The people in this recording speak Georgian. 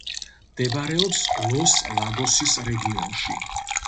მდებარეობს ლოს-ლაგოსის რეგიონში.